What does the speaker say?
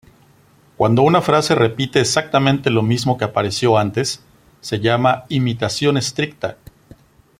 Cuando una frase repite exactamente lo mismo que apareció antes, se llama "imitación estricta".